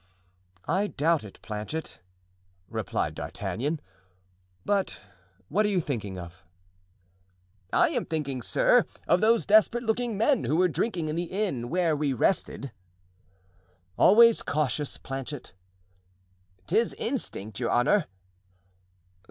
"I doubt it, Planchet," replied D'Artagnan, "but what are you thinking of?" "I am thinking, sir, of those desperate looking men who were drinking in the inn where we rested." "Always cautious, Planchet." "'Tis instinct, your honor."